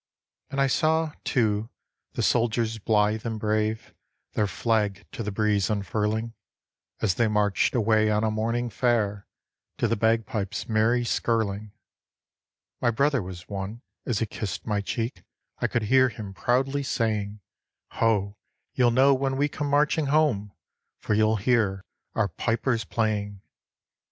And I saw, too, the soldiers blithe and brave Their flag to the breeze unfurling, As they marched away on a morning fair To the bagpipes' merry skirling. My brother was one. As he kissed my cheek, I could hear him proudly saying: "Ho! you'll know when we come marching home, For you'll hear our pipers playing."